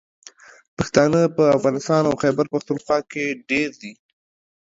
پښتانه په افغانستان او خیبر پښتونخوا کې ډېر دي.